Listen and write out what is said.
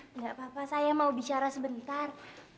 tidak apa apa saya mau bicara sebentar